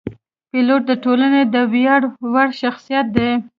پیلوټ د ټولنې د ویاړ وړ شخصیت دی.